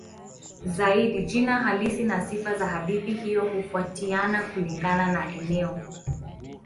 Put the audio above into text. Zaidi jina halisi na sifa za hadithi hiyo hutofautiana kulingana na eneo.